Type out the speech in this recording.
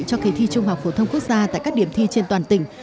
cho kỳ thi trung học phổ thông quốc gia tại các điểm thi trên toàn tỉnh